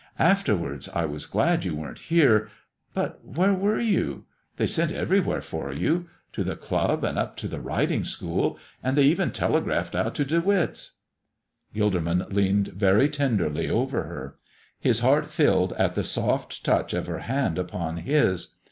Afterwards I was glad you weren't here. But where were you? They sent everywhere for you to the club and up to the riding school, and they even telegraphed out to De Witt's." Gilderman leaned very tenderly over her. His heart filled at the soft touch of her hand upon his.